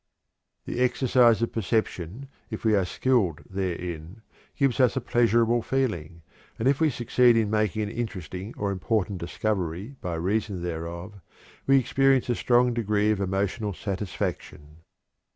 The exercise of perception, if we are skilled therein, gives us a pleasurable feeling, and if we succeed in making an interesting or important discovery by reason thereof, we experience a strong degree of emotional satisfaction.